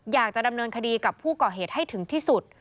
อยากจะดำเนินคดีกับผู้ก่อเหตุให้ถึงที่สุด